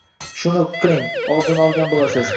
Suni qiling, oldini olgan bolasiz.